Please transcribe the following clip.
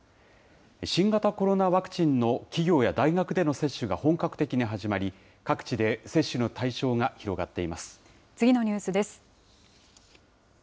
新型コロナワクチンの企業や大学での接種が本格的に始まり、各地次のニュースです。